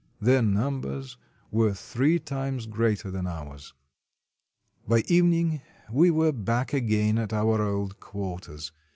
Their numbers were three times greater than ours. By evening we were back again at our old quarters.